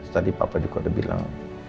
tadi papa juga udah bilang